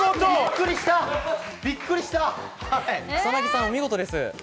草薙さん、お見事です。